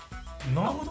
なるほど。